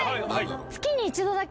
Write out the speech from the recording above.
月に一度だけ。